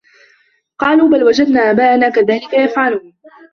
قالوا بَل وَجَدنا آباءَنا كَذلِكَ يَفعَلونَ